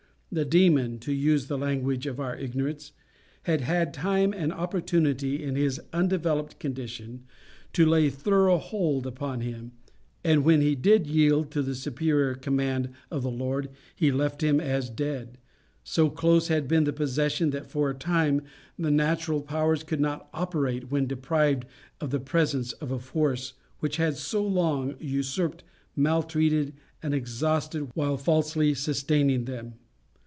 The demon to use the language of our ignorance had had time and opportunity, in his undeveloped condition, to lay thorough hold upon him; and when he did yield to the superior command of the Lord, he left him as dead so close had been the possession, that for a time the natural powers could not operate when deprived of the presence of a force which had so long usurped, maltreated, and exhausted, while falsely sustaining them.